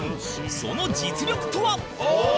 その実力とは？